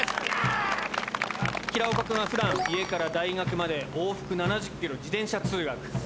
平岡くんはふだん家から大学まで往復７０ｋｍ自転車通学。